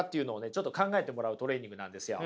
ちょっと考えてもらうトレーニングなんですよ。